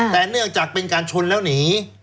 แต่เนื่องจากเป็นการชนแล้วหนี